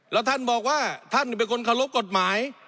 แล้วท่านบอกว่าท่านเป็นคนเคารพกฎหมาย